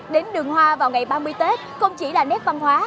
đến đường hoa vào ngày ba mươi tết không chỉ là nét văn hóa